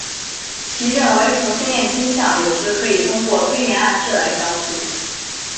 其认为同性恋倾向有时可以通过催眠暗示来消除。